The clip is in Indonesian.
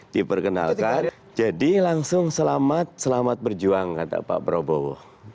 diperkenalkan jadi langsung selamat selamat berjuang kata pak prabowo